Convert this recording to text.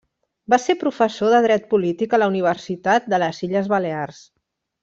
Va ser professor de Dret Polític a la Universitat de les Illes Balears.